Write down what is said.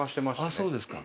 ああそうですか。